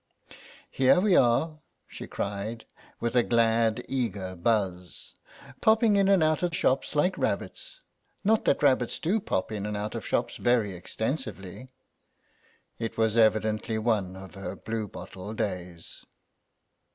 "Here we are," she cried, with a glad eager buzz, "popping in and out of shops like rabbits; not that rabbits do pop in and out of shops very extensively." It was evidently one of her bluebottle days.